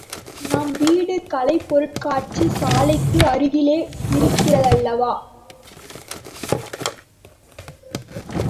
நம் வீடு கலைப்பொருட்காட்சி சாலைக்கு அருகிலே இருக்கிறதல்லவா!